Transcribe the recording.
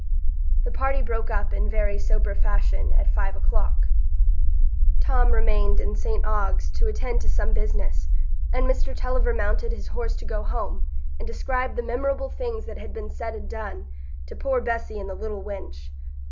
The party broke up in very sober fashion at five o'clock. Tom remained in St Ogg's to attend to some business, and Mr Tulliver mounted his horse to go home, and describe the memorable things that had been said and done, to "poor Bessy and the little wench."